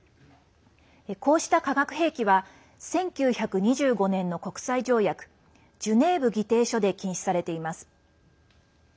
こうした化学兵器は１９２５年の国際条約ジュネーブ議定書で禁止されています。